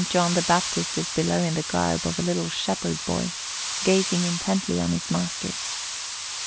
John the Baptist is below in the garb of a little shepherd boy, gazing intently on his Master.